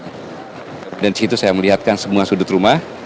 kemudian di situ saya melihatkan semua sudut rumah